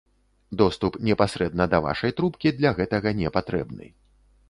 Доступ непасрэдна да вашай трубкі для гэтага не патрэбны.